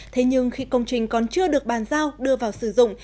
thế nhưng khi công trình còn chưa được bàn giao đưa vào sử dụng